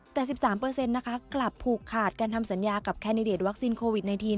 แต่๑๓นะคะกลับผูกขาดการทำสัญญากับแคนดิเดตวัคซีนโควิด๑๙